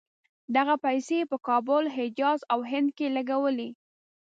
دغه پیسې یې په کابل، حجاز او هند کې لګولې.